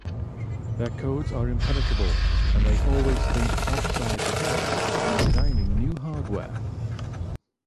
Their codes are impenetrable, and they always think "outside-the-box" when designing new hardware.